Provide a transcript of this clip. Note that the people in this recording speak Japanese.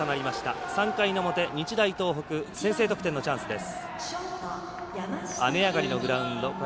３回の表、日大東北先制得点のチャンスです。